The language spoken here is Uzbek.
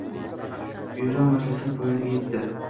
Byuro majlisi poyoniga yetdi